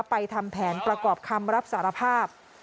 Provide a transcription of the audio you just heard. ทำแผนประกอบคำรับสารภาพ